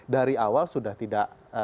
dari awal sudah tidak